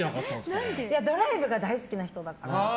ドライブが大好きな人なんです。